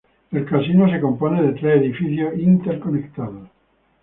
El casino se compone de tres edificios interconectados.